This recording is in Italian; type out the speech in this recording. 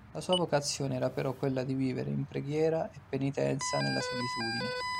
La sua vocazione era però quella di vivere in preghiera e penitenza nella solitudine.